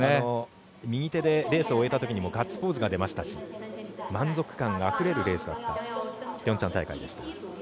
右手でレースを終えたときにもガッツポーズが出ましたし満足度があふれるピョンチャン大会でした。